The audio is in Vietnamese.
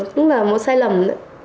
không có sai lầm nữa